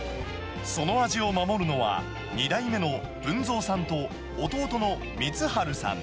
その味を守るのは、２代目の文造さんと、弟の光晴さん。